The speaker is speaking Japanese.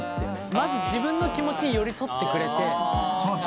まず自分の気持ちに寄り添ってくれて。